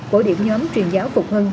bổ điểm nhóm truyền giáo phục hưng